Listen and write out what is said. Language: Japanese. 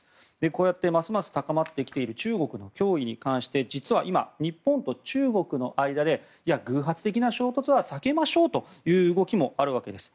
こうやってますます高まってきている中国の脅威に関して実は今、日本と中国の間で偶発的な衝突は避けましょうという動きもあるわけです。